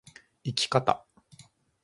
生き方